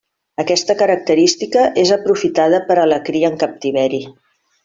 Aquesta característica és aprofitada per a la cria en captiveri.